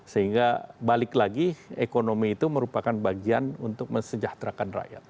sehingga balik lagi ekonomi itu merupakan bagian untuk mensejahterakan rakyat